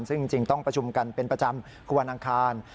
ซึ่งจริงต้องประชุมกันเป็นประจำคือวันอังคาร